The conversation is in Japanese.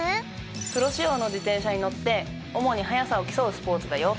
プロ仕様の自転車に乗って主に速さを競うスポーツだよ